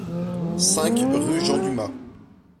cinq rue Jean Dumas